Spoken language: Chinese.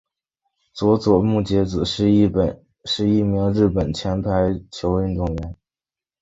佐佐木节子是一名日本前排球运动员。